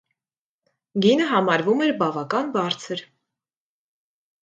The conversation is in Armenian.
Գինը համարվում էր բավական բարձր։